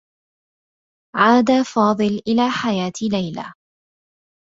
عاد فاضل إلى حياة ليلى.